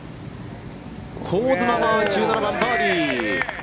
香妻１７番バーディー。